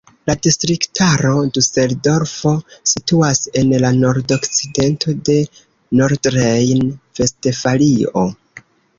La distriktaro Duseldorfo situas en la nordokcidento de Nordrejn-Vestfalio.